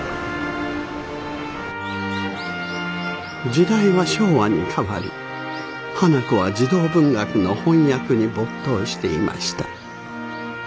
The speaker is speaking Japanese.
時代は昭和に替わり花子は児童文学の翻訳に没頭していました。